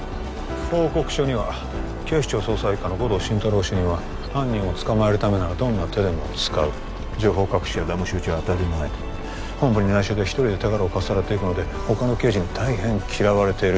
報告書には警視庁捜査一課の護道心太朗主任は犯人を捕まえるためならどんな手でも使う情報隠しやだまし討ちは当たり前本部に内緒で一人で手柄をかっさらっていくのでほかの刑事に大変嫌われている